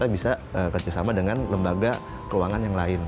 bisa kerjasama dengan lembaga keuangan yang lain